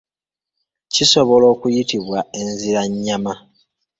Kisobola okuyitibwa enziranyama.